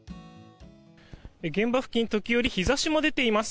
現場付近、時折日差しも出ています。